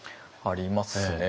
ありますね。